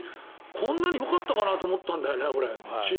こんなによかったかなと思ったんだよね、俺。